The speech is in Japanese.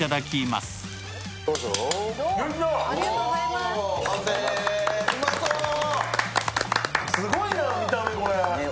すごいな、見た目、これ。